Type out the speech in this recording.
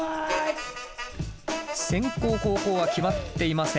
先攻後攻は決まっていません。